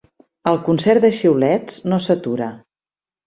El concert de xiulets no s'atura.